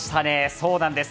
そうなんです。